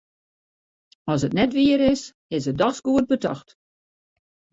As it net wier is, is it dochs goed betocht.